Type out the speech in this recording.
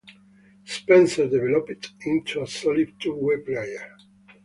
Spencer developed into a solid two-way player.